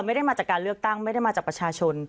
ไม่ได้มาจากการเลือกตั้งไม่ได้มาจากประชาชน